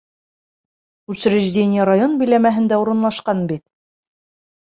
Учреждение район биләмәһендә урынлашҡан бит.